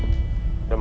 ayo masuk ke dalam